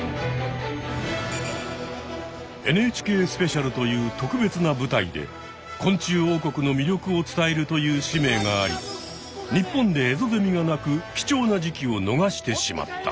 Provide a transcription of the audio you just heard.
「ＮＨＫスペシャル」という特別な舞台で昆虫王国の魅力を伝えるという使命があり日本でエゾゼミが鳴く貴重な時期を逃してしまった。